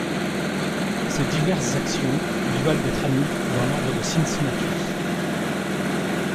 Ces diverses actions lui valent d’être admis dans l’ordre de Cincinnatus.